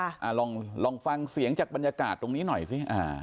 ลองลองฟังเสียงจากบรรยากาศตรงนี้หน่อยสิอ่า